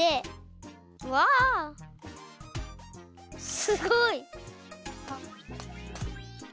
うわすごい！